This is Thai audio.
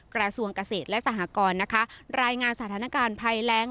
กราศวงกเศษและสหกรณ์รายงานสถานการณ์ภัยแล้ง